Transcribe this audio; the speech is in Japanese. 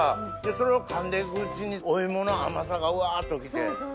それを噛んで行くうちにお芋の甘さがわぁ！っと来て。